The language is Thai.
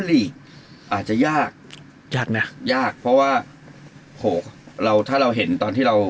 ลีกอาจจะยากยากนะยากเพราะว่าโหเราถ้าเราเห็นตอนที่เรา